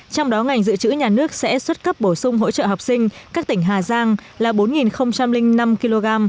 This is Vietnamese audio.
trong đó ngành dự trữ nhà nước sẽ xuất cấp bổ sung hỗ trợ học sinh các tỉnh hà giang là bốn năm kg